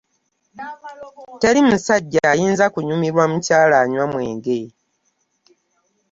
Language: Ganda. Teri musajja ayinza kunyumirwa mukyala anywa mwenge